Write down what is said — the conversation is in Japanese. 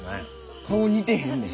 顔似てへんねん！